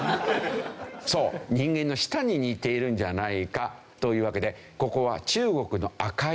そう人間の舌に似ているんじゃないかというわけでここは。